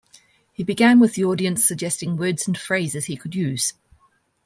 He began with the audience suggesting words and phrases he could use.